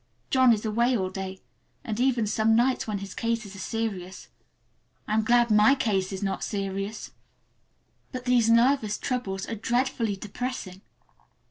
John is away all day, and even some nights when his cases are serious. I am glad my case is not serious! But these nervous troubles are dreadfully depressing.